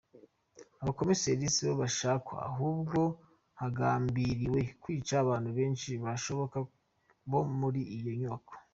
Abakomiseri sibo bashakwa ahubwo hagambiriwe kwica abantu benshi bashoboka bo muri iyo nyubako.